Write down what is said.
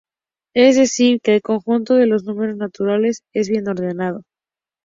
Es decir, que el conjunto de los números naturales es bien ordenado.